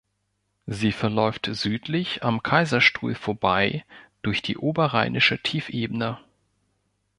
Sie verläuft südlich am Kaiserstuhl vorbei durch die oberrheinische Tiefebene.